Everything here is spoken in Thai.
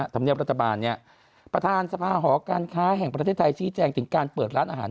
ธรรมเนียบรัฐบาลเนี่ยประธานสภาหอการค้าแห่งประเทศไทยชี้แจงถึงการเปิดร้านอาหาร